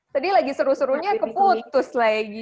tadi lagi seru serunya keputus lagi